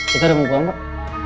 kita ada mumpung pak